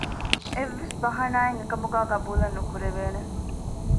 އެއްވެސް ބަހަނާއެއް އެކަމުގައި ޤަބޫލެއް ނުކުރެވޭނެ